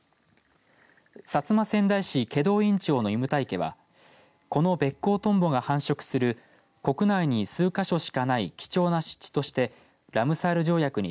薩摩川内市祁答院町の藺牟田池はこのベッコウトンボが繁殖する国内に数か所しかない貴重な湿地としてラムサール条約に